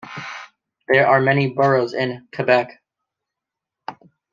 There are many boroughs in Quebec.